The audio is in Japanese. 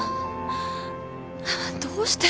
どうして？